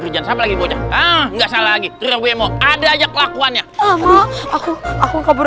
hai kerjaan sampai bocok ah nggak salah lagi terbuka mau ada aja kelakuannya aku aku kabur